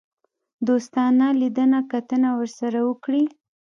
دوستانه لیدنه کتنه ورسره وکړي.